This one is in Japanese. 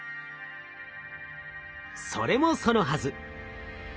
それもそのはず。